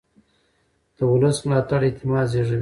د ولس ملاتړ اعتماد زېږوي